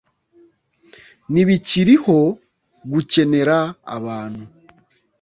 ntibikiriho gukenera abantu